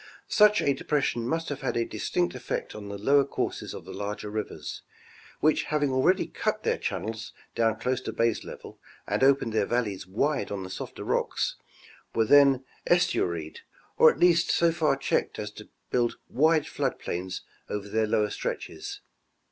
Such a depression must have had a distinct effect The Rivers and Valleys of Pennsylvania. 241 on the lower courses of the larger rivers, which having already cut their channels down close to baselevel and opened their valleys wide on the softer rocks, were then " estuaried," or at least so far checked as to build wide flood plains over their lower stretches.